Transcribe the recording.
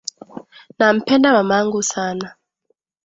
Nampenda mamangu sana.